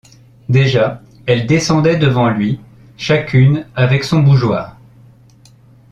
Déjà, elles descendaient devant lui, chacune avec son bougeoir.